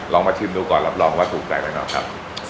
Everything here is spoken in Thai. ลองมาชิมดูก่อนรับรองว่าถูกแปลกหรือเปล่าครับ